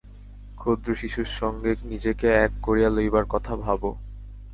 ক্ষুদ্র শিশুর সঙ্গে নিজেকে এক করিয়া লইবার কথা ভাব।